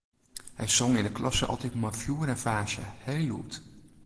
Hy song yn 'e klasse altyd mei fjoer en faasje, heel lûd.